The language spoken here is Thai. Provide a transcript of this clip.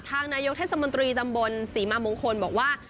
นายกเทศมนตรีตำบลศรีมามงคลบอกว่า